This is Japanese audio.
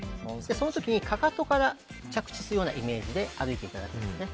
その時に、かかとから着地するようなイメージで歩いていただくんですね。